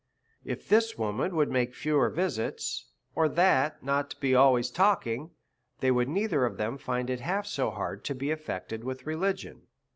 If this woman would make fewer visits, or that not be always talking, they would neither of them find it half so hard to be affected with religion.